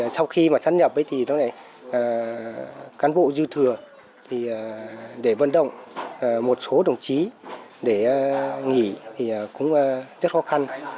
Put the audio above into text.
sau khi sát nhập cán bộ dư thừa để vận động một số đồng chí để nghỉ cũng rất khó khăn